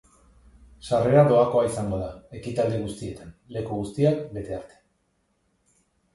Sarrera doakoa izango da ekitaldi guztietan, leku guztiak bete arte.